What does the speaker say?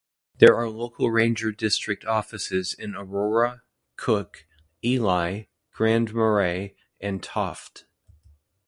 There are local ranger district offices in Aurora, Cook, Ely, Grand Marais, and Tofte.